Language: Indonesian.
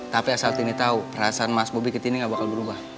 tapi asal tini tahu perasaan mas bobi ke tini nggak bakal berubah